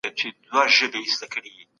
دوی د فیل خاپونه لیدلي دي.